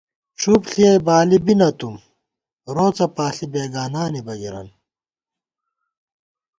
ڄُھپ ݪِیَئ بالِی بی نَہ تُم، روڅہ پاݪی بېگانانی بَگِرَن